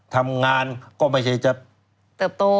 ทำงานก็ไม่ใช่จะเติบโต